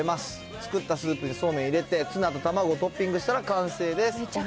作ったスープにそうめん入れて、ツナと卵をトッピングしたら完成です。